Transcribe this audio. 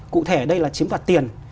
cụ thể đây là chiếm đoạt tiền